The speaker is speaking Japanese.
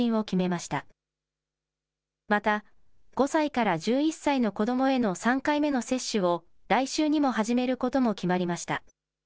また、５歳から１１歳の子どもへの３回目の接種を、来週にも始めることも決まりました。